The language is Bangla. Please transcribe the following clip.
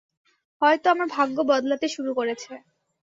হয়তো আমার ভাগ্য বদলাতে শুরু করেছে।